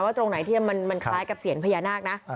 ตรงไหนที่มันคล้ายกับเสียญพญานาคนะ